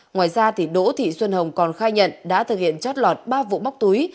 ngoài ra đỗ thị xuân hồng còn khai nhận đã thực hiện chót lọt ba vụ bóc túi